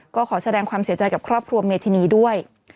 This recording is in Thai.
ก็ขอแสดงความเสียใจกับครอบครัวเมธินีด้วย